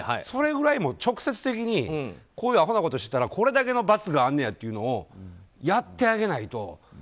それくらい直接的にこういうアホなことをしたらこれだけの罰があるんだということをやってあげないと。